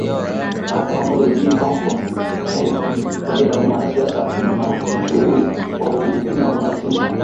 mahakama moja jijini hong kong china imemtupa jela mwanasiasa mashuhuri wa ufilipino ronald sinsang